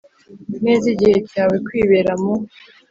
neza igihe cyawe Kwibera mu